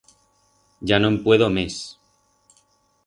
Ya no'n puedo mes.